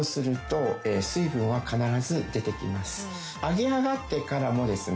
揚げ上がってからもですね